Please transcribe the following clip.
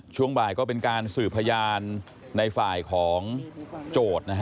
ช่วงบ่ายก็เป็นการสืบพยาลในฝ่ายของโจร